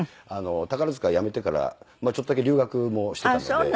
宝塚辞めてからちょっとだけ留学もしていたので。